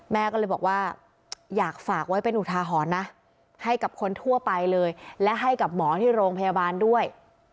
แม่ก็เลยบอกว่าอยากฝากไว้เป็นอุทาหรณ์นะให้กับคนทั่วไปเลยและให้กับหมอที่โรงพยาบาลด้วย